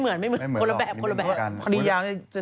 เพราะว่าตอนนี้ก็ไม่มีใครไปข่มครูฆ่า